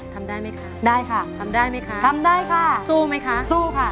ทำได้ไหมคะได้ค่ะทำได้ไหมคะทำได้ค่ะสู้ไหมคะสู้ค่ะ